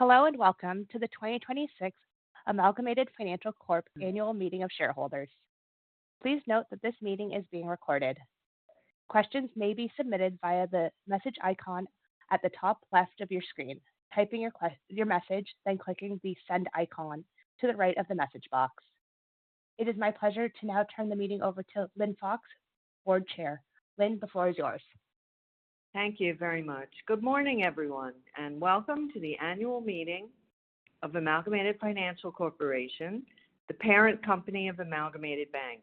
Hello, and welcome to the 2026 Amalgamated Financial Corp. annual meeting of shareholders. Please note that this meeting is being recorded. Questions may be submitted via the message icon at the top left of your screen, typing your message, then clicking the send icon to the right of the message box. It is my pleasure to now turn the meeting over to Lynne Fox, board chair. Lynne, the floor is yours. Thank you very much. Good morning, everyone, and welcome to the annual meeting of Amalgamated Financial Corporation, the parent company of Amalgamated Bank.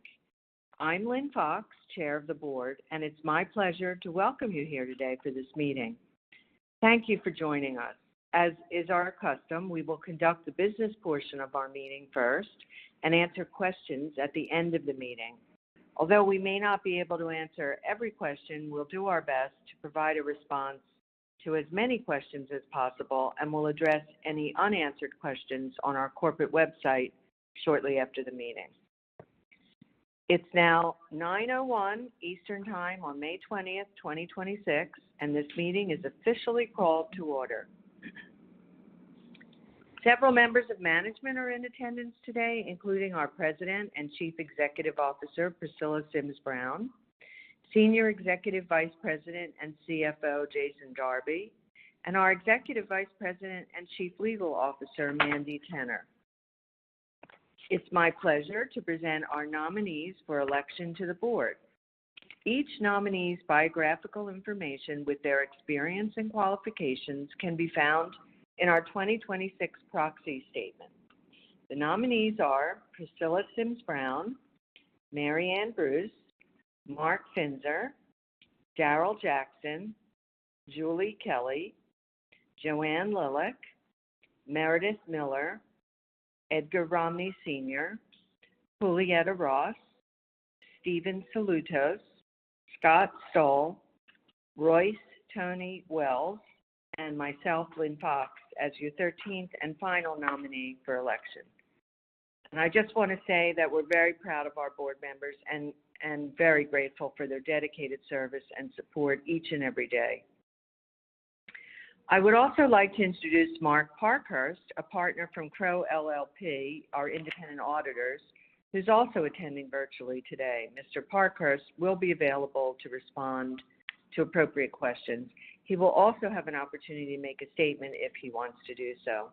I'm Lynne Fox, Chair of the Board, and it's my pleasure to welcome you here today for this meeting. Thank you for joining us. As is our custom, we will conduct the business portion of our meeting first and answer questions at the end of the meeting. Although we may not be able to answer every question, we'll do our best to provide a response to as many questions as possible, and we'll address any unanswered questions on our corporate website shortly after the meeting. It's now 9:01 Eastern Time on May 20th, 2026, and this meeting is officially called to order. Several members of management are in attendance today, including our President and Chief Executive Officer, Priscilla Sims Brown, Senior Executive Vice President and CFO, Jason Darby, and our Executive Vice President and Chief Legal Officer, Mandy Tenner. It's my pleasure to present our nominees for election to the board. Each nominee's biographical information with their experience and qualifications can be found in our 2026 proxy statement. The nominees are Priscilla Sims Brown, Maryann Bruce, Mark Finser, Darrell Jackson, Julie Kelly, JoAnn Lilek, Meredith Miller, Edgar Romney Sr., Julieta Ross, Steven SaLoutos, Scott Stoll, Royce Anthony Wells, and myself, Lynne Fox, as your 13th and final nominee for election. I just want to say that we're very proud of our board members and very grateful for their dedicated service and support each and every day. I would also like to introduce Mark Parkhurst, a partner from Crowe LLP, our independent auditors, who's also attending virtually today. Mr. Parkhurst will be available to respond to appropriate questions. He will also have an opportunity to make a statement if he wants to do so.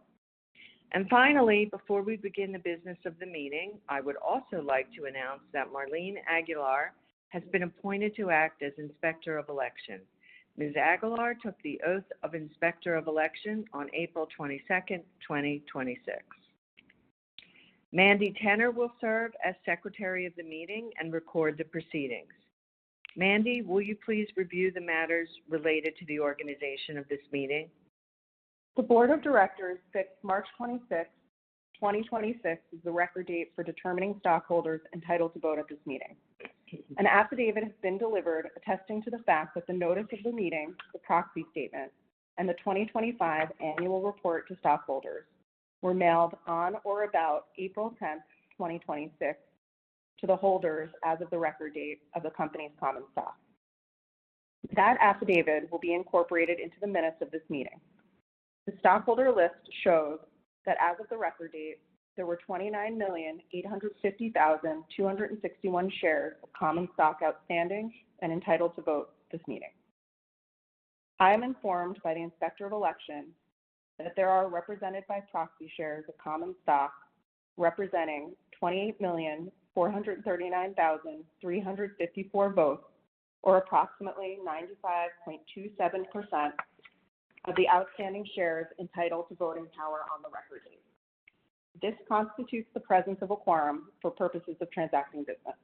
Finally, before we begin the business of the meeting, I would also like to announce that Marlene Aguilar has been appointed to act as Inspector of Election. Ms. Aguilar took the oath of Inspector of Election on April 22nd, 2026. Mandy Tenner will serve as Secretary of the meeting and record the proceedings. Mandy, will you please review the matters related to the organization of this meeting? The Board of Directors fixed March 26th, 2026, as the record date for determining stockholders entitled to vote at this meeting. An affidavit has been delivered attesting to the fact that the notice of the meeting, the proxy statement, and the 2025 annual report to stockholders were mailed on or about April 10th, 2026, to the holders as of the record date of the company's common stock. That affidavit will be incorporated into the minutes of this meeting. The stockholder list shows that as of the record date, there were 29,850,261 shares of common stock outstanding and entitled to vote at this meeting. I am informed by the Inspector of Election that there are represented by proxy shares of common stock representing 28,439,354 votes, or approximately 95.27% of the outstanding shares entitled to voting power on the record date. This constitutes the presence of a quorum for purposes of transacting business.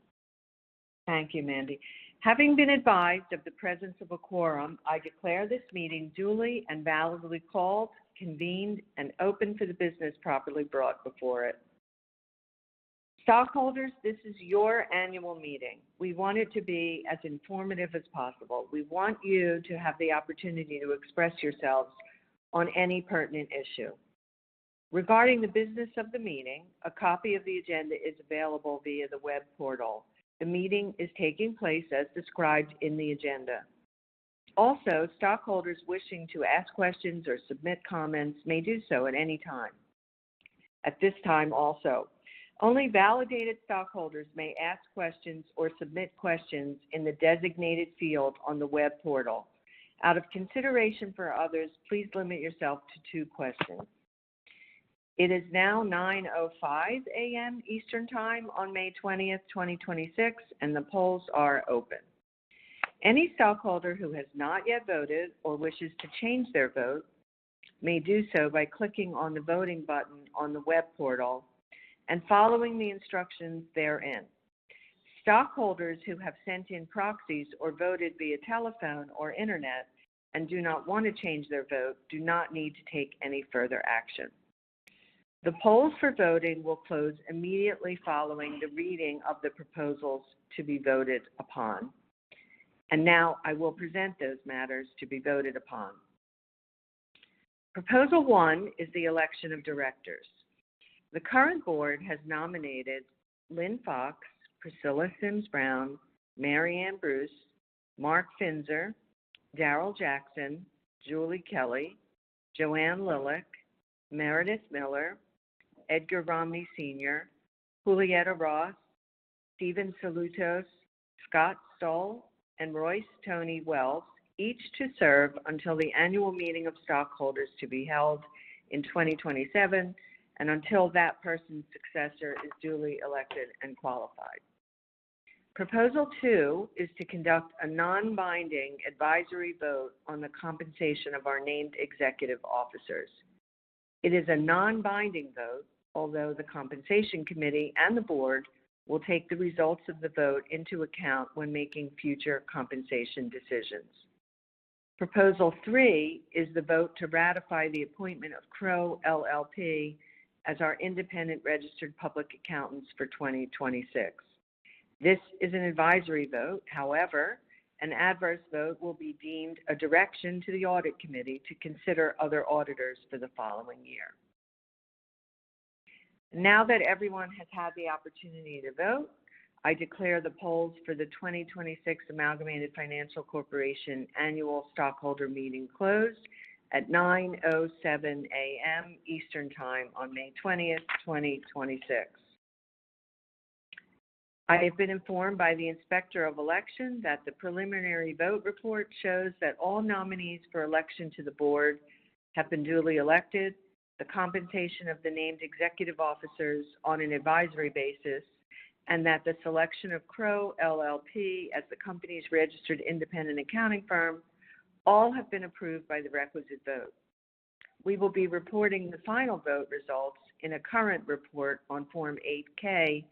Thank you, Mandy. Having been advised of the presence of a quorum, I declare this meeting duly and validly called, convened, and open to the business properly brought before it. Stockholders, this is your annual meeting. We want it to be as informative as possible. We want you to have the opportunity to express yourselves on any pertinent issue. Regarding the business of the meeting, a copy of the agenda is available via the web portal. The meeting is taking place as described in the agenda. Stockholders wishing to ask questions or submit comments may do so at any time. Only validated stockholders may ask questions or submit questions in the designated field on the web portal. Out of consideration for others, please limit yourself to two questions. It is now 9:05 A.M. Eastern Time on May 20th, 2026, and the polls are open. Any stockholder who has not yet voted or wishes to change their vote may do so by clicking on the voting button on the web portal and following the instructions therein. Stockholders who have sent in proxies or voted via telephone or internet and do not want to change their vote do not need to take any further action. The polls for voting will close immediately following the reading of the proposals to be voted upon. Now I will present those matters to be voted upon. Proposal one is the election of directors. The current board has nominated Lynne Fox, Priscilla Sims Brown, Maryann Bruce, Mark Finser, Darrell Jackson, Julie Kelly, JoAnn S. Lilek, Meredith Miller, Edgar Romney Sr., Julieta Ross, Steven SaLoutos, Scott Stoll, and Royce Anthony Wells, each to serve until the annual meeting of stockholders to be held in 2027, and until that person's successor is duly elected and qualified. Proposal two is to conduct a non-binding advisory vote on the compensation of our named executive officers. It is a non-binding vote, although the compensation committee and the board will take the results of the vote into account when making future compensation decisions. Proposal three is the vote to ratify the appointment of Crowe LLP as our independent registered public accountants for 2026. This is an advisory vote. However, an adverse vote will be deemed a direction to the audit committee to consider other auditors for the following year. Now that everyone has had the opportunity to vote, I declare the polls for the 2026 Amalgamated Financial Corp. annual stockholder meeting closed at 9:07 A.M. Eastern Time on May 20th, 2026. I have been informed by the Inspector of Election that the preliminary vote report shows that all nominees for election to the board have been duly elected, the compensation of the named executive officers on an advisory basis, and that the selection of Crowe LLP as the company's registered independent accounting firm all have been approved by the requisite vote. We will be reporting the final vote results in a current report on Form 8-K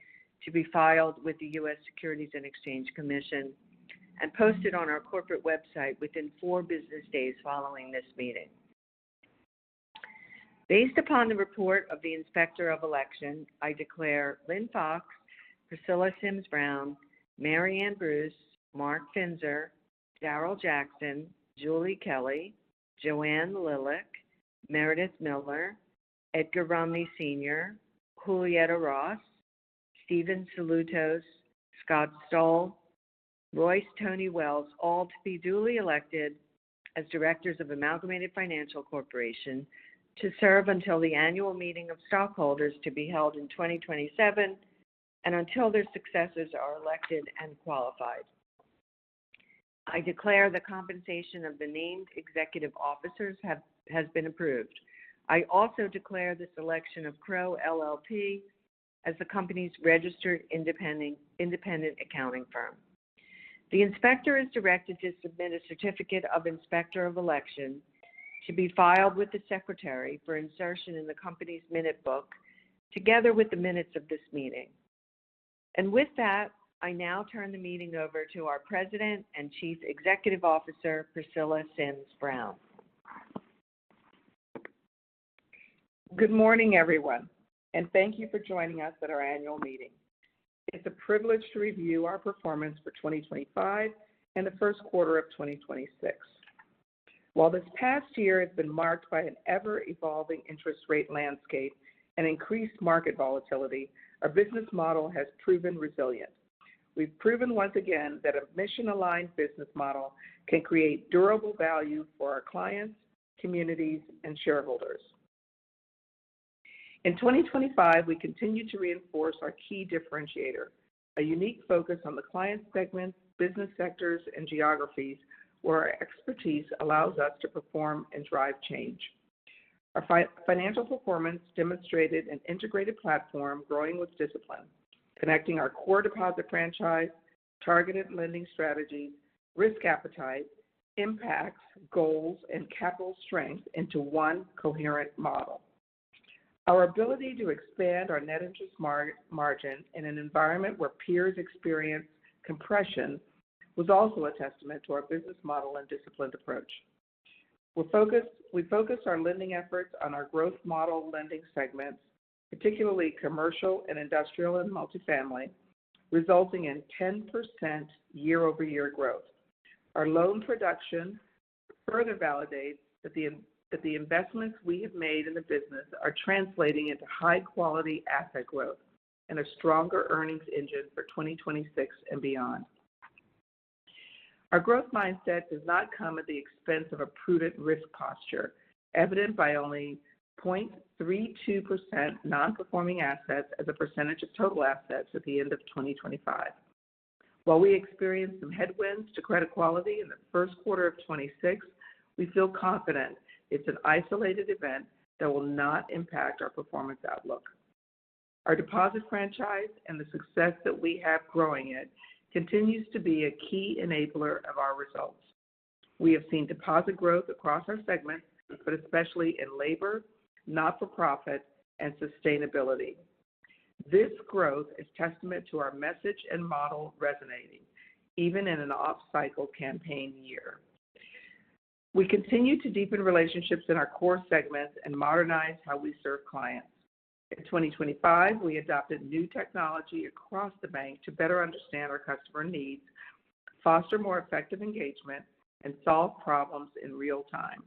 to be filed with the U.S. Securities and Exchange Commission and posted on our corporate website within four business days following this meeting. Based upon the report of the Inspector of Election, I declare Lynne Fox, Priscilla Sims Brown, Maryann Bruce, Mark Finser, Darrell Jackson, Julie Kelly, JoAnn S. Lilek, Meredith Miller, Edgar Romney Sr., Julieta Ross, Steven SaLoutos, Scott Stoll, Royce Anthony Wells, all to be duly elected as directors of Amalgamated Financial Corporation to serve until the annual meeting of stockholders to be held in 2027 and until their successors are elected and qualified. I declare the compensation of the named executive officers has been approved. I also declare the selection of Crowe LLP as the company's registered independent accounting firm. The Inspector is directed to submit a certificate of Inspector of Election to be filed with the Secretary for insertion in the company's minute book, together with the minutes of this meeting. With that, I now turn the meeting over to our President and Chief Executive Officer, Priscilla Sims Brown. Good morning, everyone, and thank you for joining us at our annual meeting. It's a privilege to review our performance for 2025 and the first quarter of 2026. While this past year has been marked by an ever-evolving interest rate landscape and increased market volatility, our business model has proven resilient. We've proven once again that a mission-aligned business model can create durable value for our clients, communities, and shareholders. In 2025, we continued to reinforce our key differentiator, a unique focus on the client segments, business sectors, and geographies where our expertise allows us to perform and drive change. Our financial performance demonstrated an integrated platform growing with discipline, connecting our core deposit franchise, targeted lending strategies, risk appetite, impacts, goals, and capital strength into one coherent model. Our ability to expand our net interest margin in an environment where peers experience compression was also a testament to our business model and disciplined approach. We focused our lending efforts on our growth model lending segments, particularly commercial and industrial and multifamily, resulting in 10% year-over-year growth. Our loan production further validates that the investments we have made in the business are translating into high-quality asset growth and a stronger earnings engine for 2026 and beyond. Our growth mindset does not come at the expense of a prudent risk posture, evident by only 0.32% non-performing assets as a percentage of total assets at the end of 2025. While we experienced some headwinds to credit quality in the first quarter of 2026, we feel confident it's an isolated event that will not impact our performance outlook. Our deposit franchise and the success that we have growing it continues to be a key enabler of our results. We have seen deposit growth across our segments, but especially in labor, not-for-profit, and sustainability. This growth is testament to our message and model resonating, even in an off-cycle campaign year. We continue to deepen relationships in our core segments and modernize how we serve clients. In 2025, we adopted new technology across the bank to better understand our customer needs, foster more effective engagement, and solve problems in real time.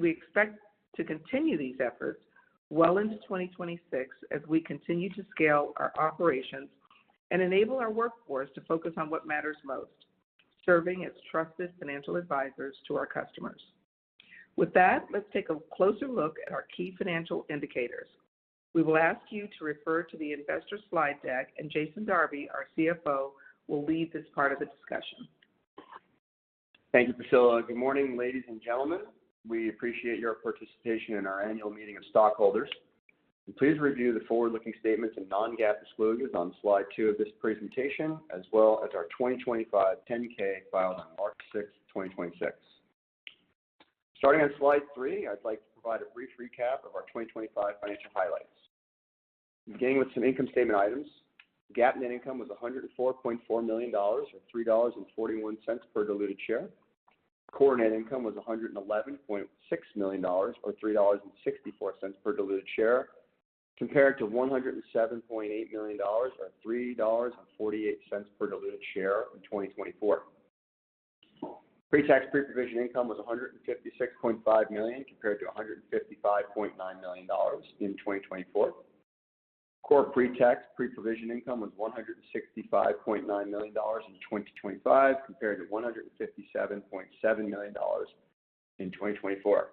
We expect to continue these efforts well into 2026 as we continue to scale our operations and enable our workforce to focus on what matters most, serving as trusted financial advisors to our customers. With that, let's take a closer look at our key financial indicators. We will ask you to refer to the investor slide deck, and Jason Darby, our CFO, will lead this part of the discussion. Thank you, Priscilla. Good morning, ladies and gentlemen. We appreciate your participation in our annual meeting of stockholders. Please review the forward-looking statements and non-GAAP disclosures on slide two of this presentation, as well as our 2025 10-K filed on March 6th, 2026. Starting on slide three, I'd like to provide a brief recap of our 2025 financial highlights. Beginning with some income statement items. GAAP net income was $104.4 million, or $3.41 per diluted share. Core net income was $111.6 million, or $3.64 per diluted share, compared to $107.8 million, or $3.48 per diluted share in 2024. Pre-tax, pre-provision income was $156.5 million compared to $155.9 million in 2024. Core pre-tax, pre-provision income was $165.9 million in 2025 compared to $157.7 million in 2024.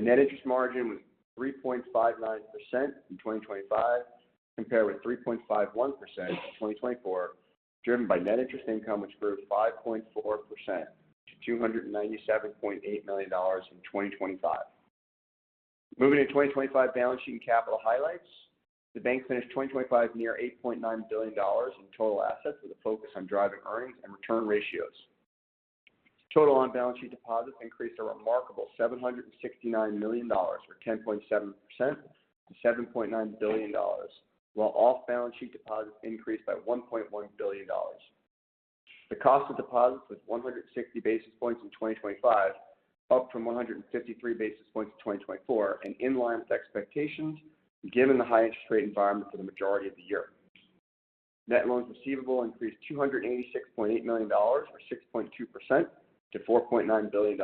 Net interest margin was 3.59% in 2025, compared with 3.51% in 2024, driven by net interest income, which grew 5.4% to $297.8 million in 2025. Moving to 2025 balance sheet and capital highlights. The bank finished 2025 near $8.9 billion in total assets with a focus on driving earnings and return ratios. Total on-balance sheet deposits increased a remarkable $769 million, or 10.7%, to $7.9 billion, while off-balance sheet deposits increased by $1.1 billion. The cost of deposits was 160 basis points in 2025, up from 153 basis points in 2024 and in line with expectations given the high interest rate environment for the majority of the year. Net loans receivable increased $286.8 million, or 6.2%, to $4.9 billion.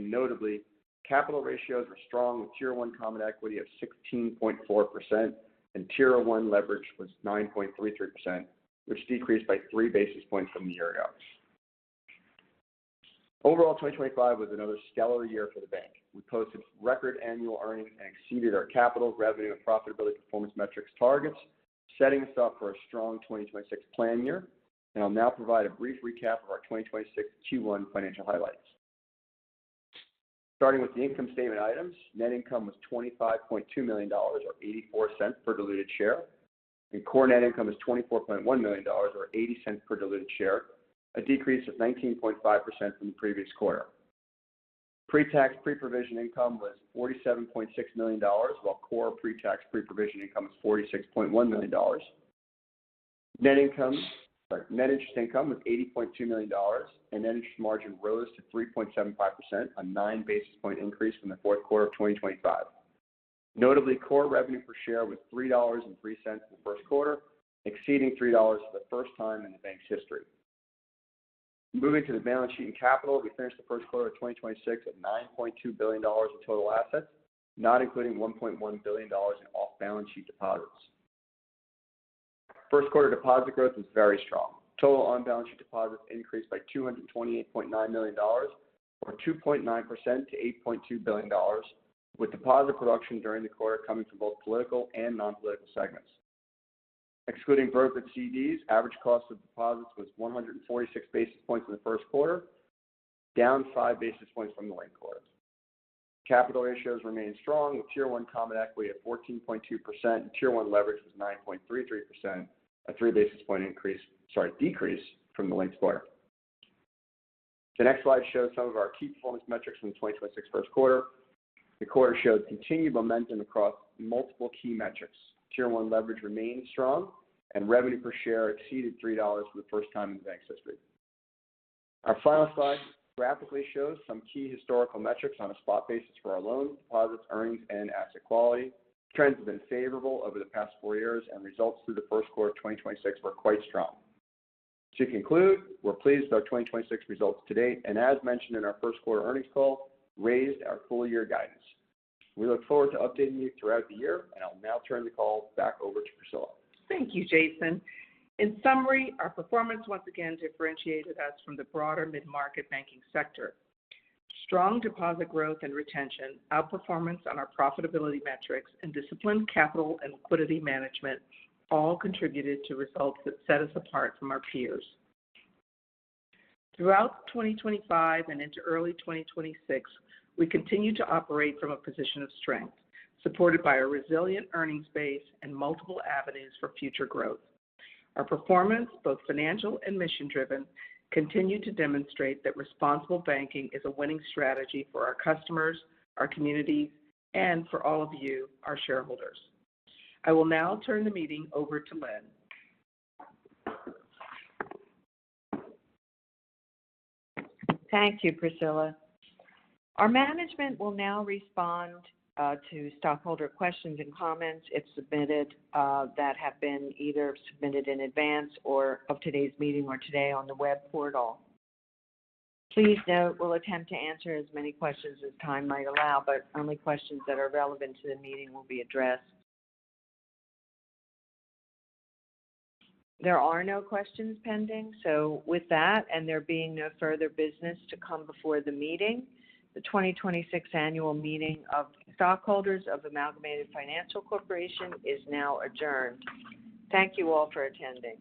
Notably, capital ratios were strong with Tier 1 common equity of 16.4%, and Tier 1 leverage was 9.33%, which decreased by 3 basis points from the year ago. Overall, 2025 was another stellar year for the bank. We posted record annual earnings and exceeded our capital, revenue, and profitability performance metrics targets, setting us up for a strong 2026 plan year. I'll now provide a brief recap of our 2026 Q1 financial highlights. Starting with the income statement items. Net Income was $25.2 million, or $0.84 per diluted share, and Core Net Income was $24.1 million, or $0.80 per diluted share, a decrease of 19.5% from the previous quarter. Pre-tax, pre-provision income was $47.6 million, while core pre-tax, pre-provision income was $46.1 million. Net Interest Income was $80.2 million, and Net interest margin rose to 3.75%, a 9-basis point increase from the fourth quarter of 2025. Notably, Core Revenue per Share was $3.03 in the first quarter, exceeding $3 for the first time in the bank's history. Moving to the balance sheet and capital, we finished the first quarter of 2026 with $9.2 billion of total assets, not including $1.1 billion in off-balance sheet deposits. First quarter deposit growth was very strong. Total on-balance sheet deposits increased by $228.9 million, or 2.9%, to $8.2 billion, with deposit production during the quarter coming from both political and non-political segments. Excluding brokered CDs, average cost of deposits was 146 basis points in the first quarter, down 5 basis points from the linked quarter. Capital ratios remained strong with Tier 1 common equity of 14.2%, and Tier 1 leverage was 9.33%, a 3 basis point increase, sorry, decrease from the linked quarter. The next slide shows some of our key performance metrics from the 2026 first quarter. The quarter showed continued momentum across multiple key metrics. Tier 1 leverage remains strong, and revenue per share exceeded $3 for the first time in the bank's history. Our final slide graphically shows some key historical metrics on a spot basis for our loans, deposits, earnings, and asset quality. Trends have been favorable over the past four years, and results through the first quarter of 2026 were quite strong. To conclude, we're pleased with our 2026 results to date, and as mentioned in our first quarter earnings call, raised our full year guidance. We look forward to updating you throughout the year, and I'll now turn the call back over to Priscilla. Thank you, Jason. In summary, our performance once again differentiated us from the broader mid-market banking sector. Strong deposit growth and retention, outperformance on our profitability metrics, and disciplined capital and liquidity management all contributed to results that set us apart from our peers. Throughout 2025 and into early 2026, we continue to operate from a position of strength, supported by a resilient earnings base and multiple avenues for future growth. Our performance, both financial and mission-driven, continue to demonstrate that responsible banking is a winning strategy for our customers, our communities, and for all of you, our shareholders. I will now turn the meeting over to Lynne. Thank you, Priscilla. Our management will now respond to stockholder questions and comments, if submitted, that have been either submitted in advance or of today's meeting or today on the web portal. Please note we'll attempt to answer as many questions as time might allow, but only questions that are relevant to the meeting will be addressed. There are no questions pending, so with that, and there being no further business to come before the meeting, the 2026 annual meeting of stockholders of Amalgamated Financial Corporation is now adjourned. Thank you all for attending.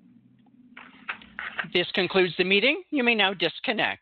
This concludes the meeting. You may now disconnect.